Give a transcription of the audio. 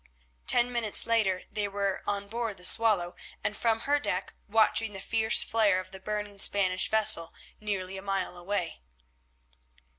Ten minutes later they were on board the Swallow, and from her deck watching the fierce flare of the burning Spanish vessel nearly a mile away.